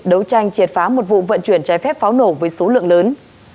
đấu tranh triệt phá một vụ vận chuyển trái phép pháo nổ với số lượng lớn